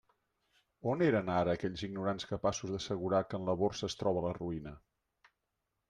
On eren ara aquells ignorants capaços d'assegurar que en la Borsa es troba la ruïna?